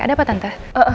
ada apa tante